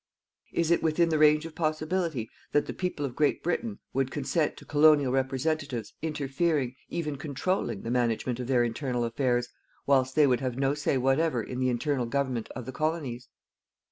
Is it within the range of possibility that the people of Great Britain would consent to colonial representatives interfering, even controlling the management of their internal affairs, whilst they would have no say whatever in the internal government of the Colonies?